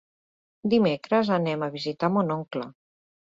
Dimecres anem a visitar mon oncle.